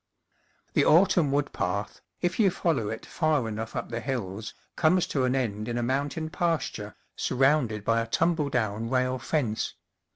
The autumn wood path, if you follow it far enough up the hills, comes to an end in a mountain pasture, surrounded by a tum ble down rail fence.